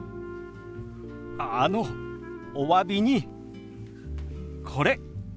あのおわびにこれ。